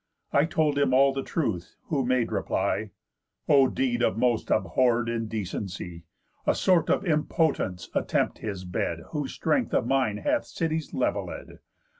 I told him all the truth, who made reply: 'O deed of most abhorr'd indecency! A sort of impotents attempt his bed Whose strength of mind hath cities levelléd!